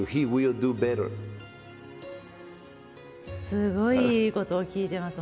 すごいいいことを聞いてます